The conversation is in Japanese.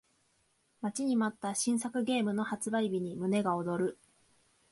待ちに待った新作ゲームの発売日に胸が躍る